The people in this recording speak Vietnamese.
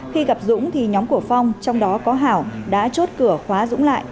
khi gặp dũng thì nhóm của phong trong đó có hảo đã chốt cửa khóa dũng lại